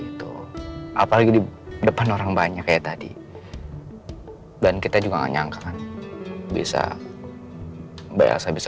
itu apalagi di depan orang banyak ya tadi dan kita juga nggak nyangka kan bisa bahasa bisa